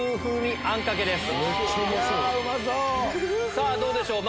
さぁどうでしょう？